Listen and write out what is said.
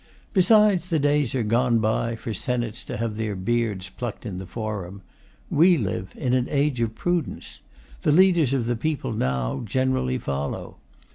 Besides, the days are gone by for senates to have their beards plucked in the forum. We live in an age of prudence. The leaders of the people, now, generally follow.